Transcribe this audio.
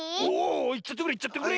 いっちゃってくれいっちゃってくれ！